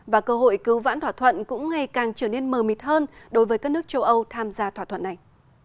và cơ hội cứu vãn thỏa thuận cũng ngày càng trở nên mờ mịt hơn đối với các nước châu âu tham gia thỏa thuận này